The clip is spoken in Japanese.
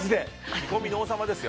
煮込みの王様ですよ。